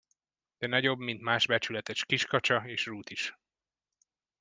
De nagyobb, mint más becsületes kiskacsa, és rút is!